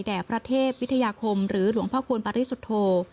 พระเทพวิทยาคมหรือหลวงพ่อควรปริสุทธโธ